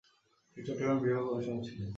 তিনি চট্টগ্রামের বিভাগীয় কমিশনার ছিলেন।